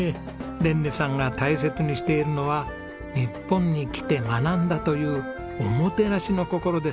レンネさんが大切にしているのは日本に来て学んだというおもてなしの心です。